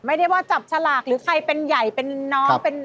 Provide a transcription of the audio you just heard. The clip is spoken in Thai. ไม่ได้ว่าจับฉลากหรือใครเป็นใหญ่เป็นน้องเป็น